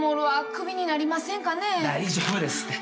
大丈夫ですって。